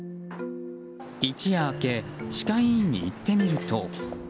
一夜明け歯科医院に行ってみると。